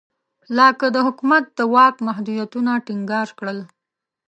لاک د حکومت د واک محدودیتونه ټینګار کړل.